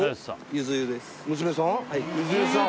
ゆずゆさん